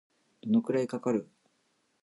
どのくらいかかる